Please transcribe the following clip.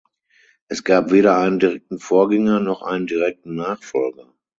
Es gab weder einen direkten Vorgänger noch einen direkten Nachfolger.